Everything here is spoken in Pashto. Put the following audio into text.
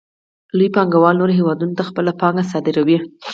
لوی پانګوال نورو هېوادونو ته خپله پانګه صادروي